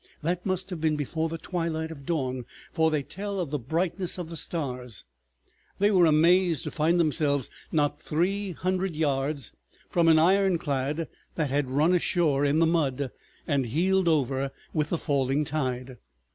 That must have been before the twilight of dawn, for they tell of the brightness of the stars. They were amazed to find themselves not three hundred yards from an ironclad that had run ashore in the mud, and heeled over with the falling tide.